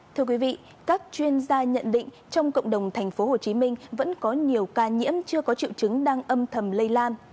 thưa quý vị các chuyên gia nhận định trong cộng đồng tp hcm vẫn có nhiều ca nhiễm chưa có triệu chứng đang âm thầm lây lan